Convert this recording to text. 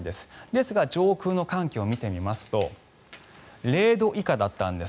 ですが、上空の寒気を見てみますと０度以下だったんです。